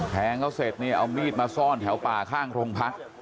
แทงเขาเสร็จเนี่ยเอามีดมาซ่อนแถวป่าข้างโรงพัก